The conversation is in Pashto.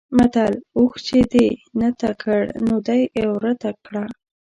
متل: اوښ چې دې نته کړ؛ نو دی عورته کړ.